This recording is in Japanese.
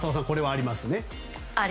ありますね。